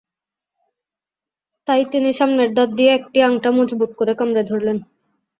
তাই তিনি সামনের দাঁত দিয়ে একটি আংটা মজবুত করে কামড়ে ধরলেন।